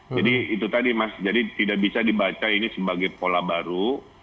jadi itu tadi mas jadi tidak bisa dibaca ini sebagai pola baru